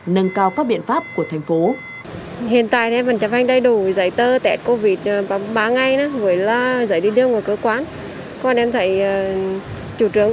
nâng cao các biện pháp của thành phố